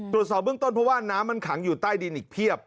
ตรวจสอบเบื้องต้นเพราะว่าน้ำมันขังอยู่ใต้ดินอีกเพียบ